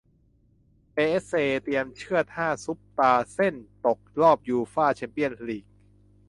เปแอสเช เตรียมเชือด ห้า ซุปตาร์ เซ่นตกรอบยูฟ่า แชมเปี้ยนส์ ลีก